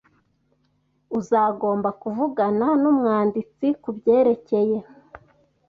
Uzagomba kuvugana numwanditsi kubyerekeye